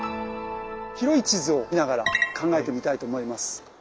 広い地図を見ながら考えてみたいと思います。